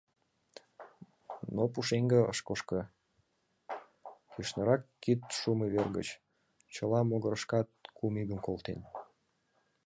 Но пушеҥге ыш кошко — кӱшнырак, кид шумо вер гыч, чыла могырышкат кум игым колтен.